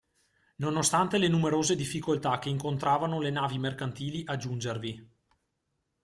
Nonostante le numerose difficoltà che incontravano le navi mercantili a giungervi.